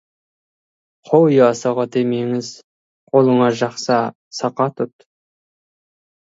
Қой асығы демеңіз, қолыңа жақса, сақа тұт.